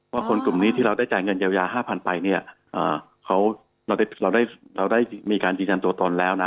คนกลุ่มนี้ที่เราได้จ่ายเงินเยียวยา๕๐๐๐ไปเนี่ยเขาได้มีการยืนยันตัวตนแล้วนะ